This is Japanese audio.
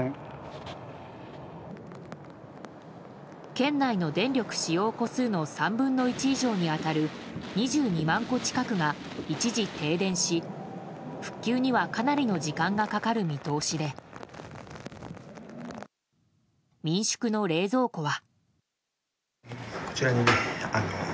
県内の電力使用戸数の３分の１以上に当たる２２万戸近くが一時停電し復旧にはかなりの時間がかかる見通しで民宿の冷蔵庫は。